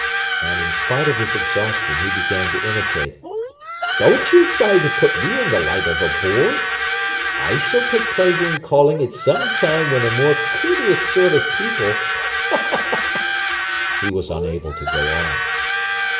And, in spite of his exhaustion, he began to imitate: "Don't you try to put me in the light of a boor!" "I shall take pleasure in calling at some time when a more courteous sort of people—" He was unable to go on.